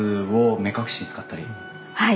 はい。